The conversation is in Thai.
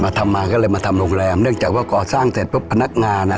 ทำมาก็เลยมาทำโรงแรมเนื่องจากว่าก่อสร้างเสร็จปุ๊บพนักงานอ่ะ